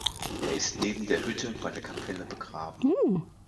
Er ist neben der Hütte bei der Kapelle begraben.